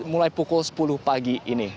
mulai pukul sepuluh pagi ini